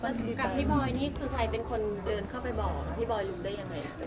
กับพี่บอยนี่คือใครเป็นคนเดินเข้าไปบอกพี่บอยลุงได้ยังไง